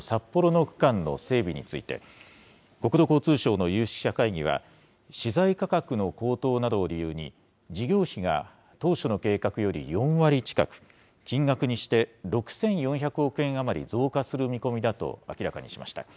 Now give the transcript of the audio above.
２０３０年度末の開業を目指している北海道新幹線の新函館北斗と札幌の区間の整備について、国土交通省の有識者会議は、資材価格の高騰などを理由に、事業費が当初の計画より４割近く、金額にして６４００億円余り増加する見込みだと明らかにしました。